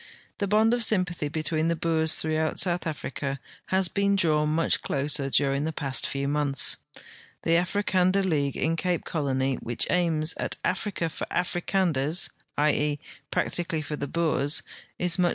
The bond of S3unpathy betweeqthe Boers throughout South Africa has been drawn much closer during the past few months. The Africander League in Cape Colony, which aims at "Africa for the Africanders ", i. e., ])ractically for the Boers, is much